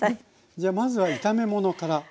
じゃまずは炒め物からですか？